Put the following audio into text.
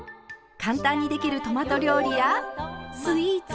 簡単にできるトマト料理やスイーツ。